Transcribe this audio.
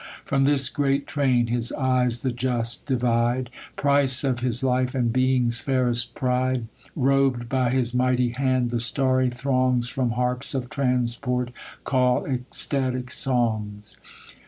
From this great ti ain, his eyes the just divide, Price of his life, and being's fairest pride; Rob'd by his mighty hand, the starry throngs From harps of transport call ecstatic songs.